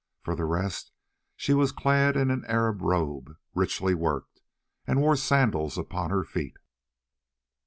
For the rest she was clad in an Arab robe richly worked, and wore sandals upon her feet.